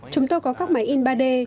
chúng tôi có các máy in ba d